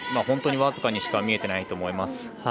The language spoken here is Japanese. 本当に僅かにしか見えていないと思います。